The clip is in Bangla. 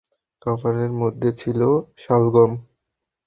খাবারের মধ্যে ছিল শালগম।